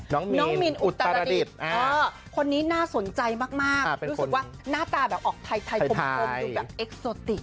น้องมินอุตรดิษฐ์คนนี้น่าสนใจมากรู้สึกว่าหน้าตาแบบออกไทยคมดูแบบเอ็กโซติก